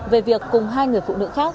về việc cùng hai người phụ nữ khác